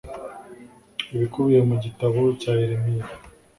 ibikubiye mu gitabo cya Yeremiya